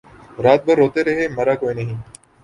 رات بھر روتے رہے مرا کوئی نہیں